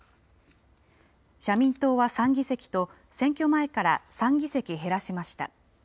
社民党は３議席と、選挙前から３議席減らしました。